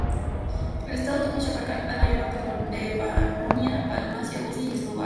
El estado de Tomislav abarcaba la mayor parte de Panonia, Dalmacia, Bosnia y Eslavonia.